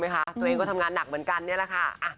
ตัวเองก็ทำงานหนักเหมือนกันนี่แหละค่ะ